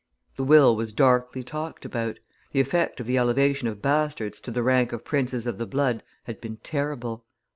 The will was darkly talked about; the effect of the elevation of bastards to the rank of princes of the blood had been terrible.